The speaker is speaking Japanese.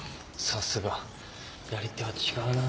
さすがやり手は違うな。